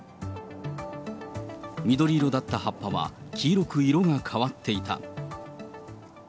緑色だった葉っぱは黄色く色が変わっていた。